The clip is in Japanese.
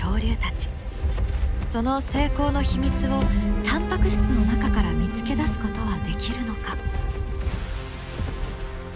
その成功の秘密をタンパク質の中から見つけ出すことはできるのか？